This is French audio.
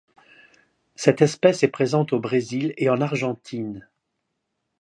Cette espèce est présente au Brésil et en Argentine.